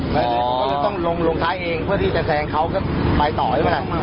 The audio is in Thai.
ก็เลยต้องลงลงท้ายเองเพื่อที่จะแสงเขาก็ไปต่อไว้แหละ